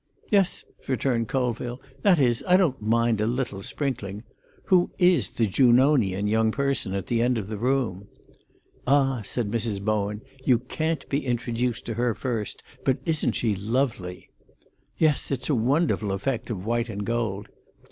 "Yes," returned Colville. "That is, I don't mind a little sprinkling. Who is the Junonian young person at the end of the room?" "Ah," said Mrs. Bowen, "you can't be introduced to her first. But isn't she lovely?" "Yes. It's a wonderful effect of white and gold."